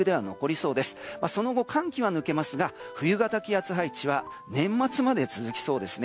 その後、寒気は抜けますが冬型の気圧配置は年末まで続きそうですね。